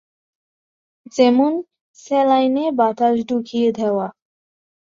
যেমন স্যালাইনে বাতাস ঢুকিয়ে দেওয়া।